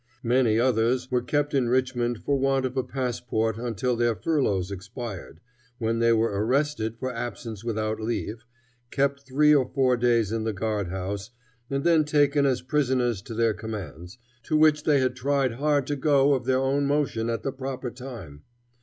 Many others were kept in Richmond for want of a passport until their furloughs expired, when they were arrested for absence without leave, kept three or four days in the guard house, and then taken as prisoners to their commands, to which they had tried hard to go of their own motion at the proper time.